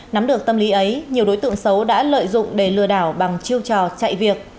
nắm được tâm lý ấy nhiều đối tượng xấu đã lợi dụng để lừa đảo bằng chiêu trò chạy việc